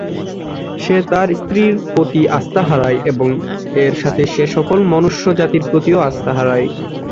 সে তার স্ত্রীর প্রতি আস্থা হারায় এবং এর সাথে সে সকল মনুষ্য জাতির প্রতিও আস্থা হারায়।